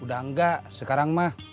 udah enggak sekarang mah